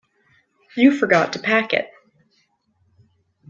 You forgot to pack it.